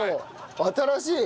新しい！